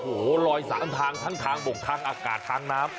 โอ้โหลอย๓ทางทั้งทางบกทางอากาศทางน้ำ